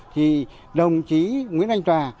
thì đồng chí nguyễn anh tòa